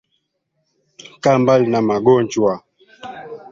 Kaa mbali na mugonjwa